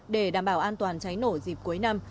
để đảm bảo an toàn cháy nổ dịp cuối năm